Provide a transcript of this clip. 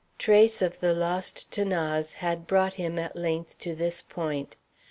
Trace of the lost 'Thanase had brought him at length to this point.